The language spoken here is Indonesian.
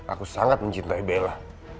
aku sangat mencintai bella